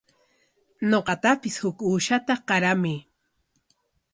Ñuqatapis huk uushata qaramay.